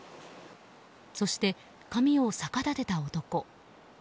そして、髪を逆立てた男。